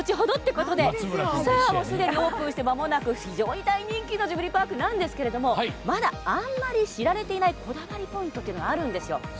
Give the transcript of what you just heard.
オープンしてまもなく非常に大人気のジブリパークなんですがまだあんまり知られていないこだわりポイントっていうのがあるんですよ。